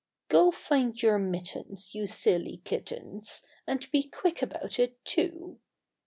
I " Go find your mittens, you silly kittens, And be quick about it too